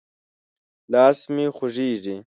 لاس مې خوږېږي.